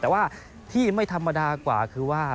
แต่ว่าที่ไม่ธรรมดากว่าคือว่า